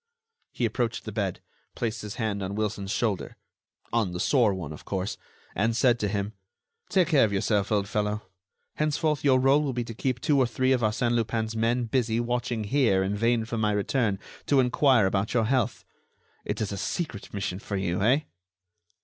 He approached the bed, placed his hand on Wilson's shoulder—on the sore one, of course—and said to him: "Take care of yourself, old fellow. Henceforth your rôle will be to keep two or three of Arsène Lupin's men busy watching here in vain for my return to enquire about your health. It is a secret mission for you, eh?"